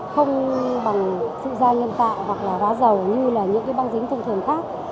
không bằng sự da nhân tạo hoặc là rá dầu như những băng dính thông thường khác